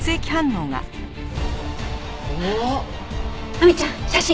亜美ちゃん写真。